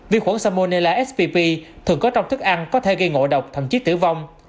viêm khuẩn salmonella spp thường có trong thức ăn có thể gây ngộ độc thậm chí tử vong